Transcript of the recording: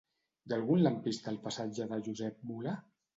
Hi ha algun lampista al passatge de Josep Mula?